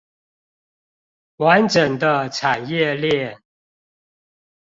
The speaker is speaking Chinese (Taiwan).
完整的產業鏈